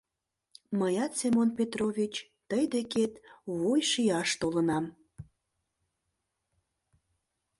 Мыят, Семон Петрович, тый декет вуйшияш толынам.